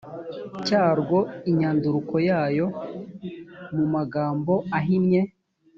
cyarwo inyandukuro yayo mu magambo ahinnye